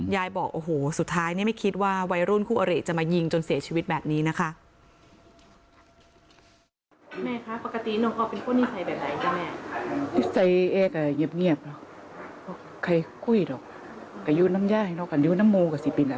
บอกโอ้โหสุดท้ายไม่คิดว่าวัยรุ่นคู่อริจะมายิงจนเสียชีวิตแบบนี้นะคะ